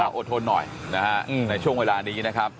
อดทนหน่อยนะฮะในช่วงเวลานี้นะครับ